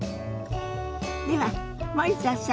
では森田さん